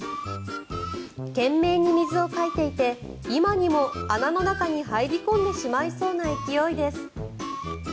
懸命に水をかいていて今にも穴の中に入り込んでしまいそうな勢いです。